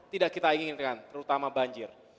tidak kita inginkan terutama banjir